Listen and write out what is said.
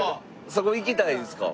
そこ行きたいんですか？